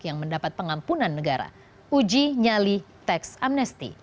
yang mendapat pengampunan negara uji nyali teks amnesti